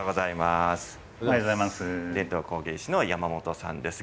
伝統工芸士の山本さんです。